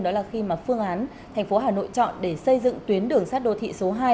đó là khi mà phương án thành phố hà nội chọn để xây dựng tuyến đường sát đô thị số hai